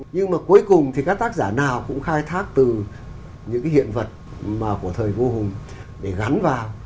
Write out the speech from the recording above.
nhưng mà cuối cùng thì các tác giả nào cũng khai thác từ những cái hiện vật của thời vua hùng để gắn vào